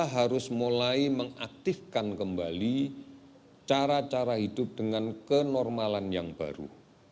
kita harus mulai mengaktifkan kembali cara cara hidup dengan kenormalan yang baru